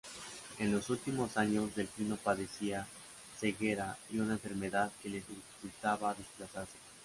En los últimos años Delfino padecía ceguera y una enfermedad que le dificultaba desplazarse.